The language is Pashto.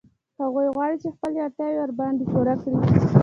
هغوی غواړي چې خپلې اړتیاوې ورباندې پوره کړي